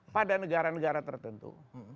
pada negara negara tertentu